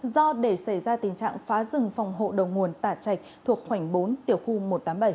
do để xảy ra tình trạng phá rừng phòng hộ đầu nguồn tả chạch thuộc khoảnh bốn